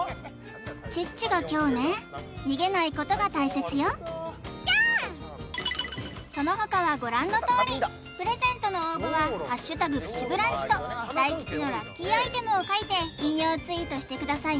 チッチが凶ね逃げないことが大切よそのほかはご覧のとおりプレゼントの応募は「＃プチブランチ」と大吉のラッキーアイテムを書いて引用ツイートしてください